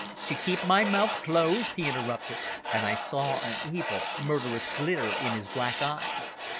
"To keep my mouth closed," he interrupted. And I saw an evil, murderous glitter in his black eyes.